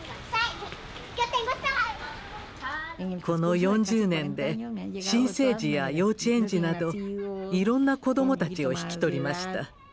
この４０年で新生児や幼稚園児などいろんな子どもたちを引き取りました。